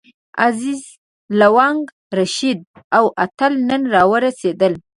عزیز، لونګ، رشید او اتل نن راورسېدل.